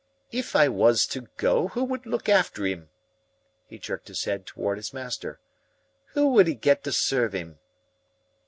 "If I was to go, who would look after 'im?" He jerked his head toward his master. "Who would 'e get to serve 'im?"